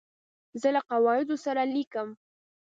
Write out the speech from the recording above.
زه له قواعدو سره لیکم.